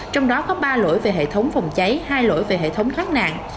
trong đó có ba lỗi về hệ thống phòng cháy hai lỗi về hệ thống thoát nạn